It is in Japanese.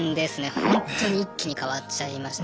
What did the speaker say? ほんとに一気に変わっちゃいました。